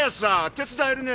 手伝えるね？